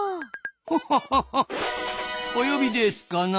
ホッホッホッホお呼びですかな。